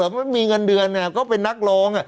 มันไม่มีเงินเดือนเนี่ยก็เป็นนักล้อง